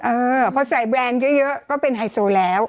เออพอใส่แบรนด์เยอะก็เป็นไฮโซแล้ว